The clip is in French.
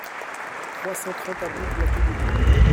trois cent trente avenue de la Touloubre